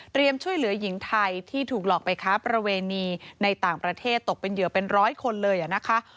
ช่วยเหลือหญิงไทยที่ถูกหลอกไปค้าประเวณีในต่างประเทศตกเป็นเหยื่อเป็นร้อยคนเลยนะคะ